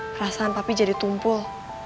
perasaan papi jadi tumpul